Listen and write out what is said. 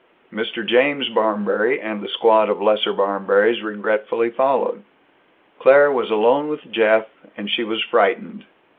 Mr. James Barmberry and the squad of lesser Barmberrys regretfully followed. Claire was alone with Jeff, and she was frightened.